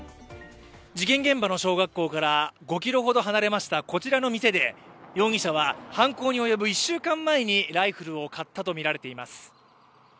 事件現場の小学校から５ｋｍほど離れましたこちらの店で容疑者は犯行に及ぶ１週間前にライフルを買ったとみられています。